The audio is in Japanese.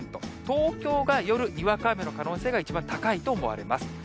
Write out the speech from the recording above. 東京が夜、にわか雨の可能性が一番高いと思われます。